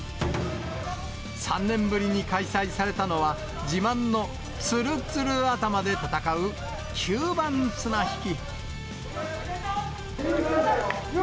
３年ぶりに開催されたのは、自慢のツルツル頭で戦う吸盤綱引き。